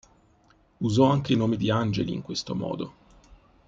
Usò anche i nomi di angeli in questo modo.